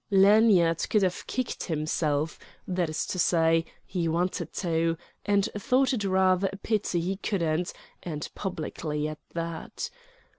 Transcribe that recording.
Lanyard could have kicked himself; that is to say, he wanted to, and thought it rather a pity he couldn't, and publicly, at that.